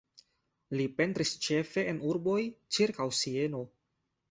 Li pentris ĉefe en urboj ĉirkaŭ Sieno.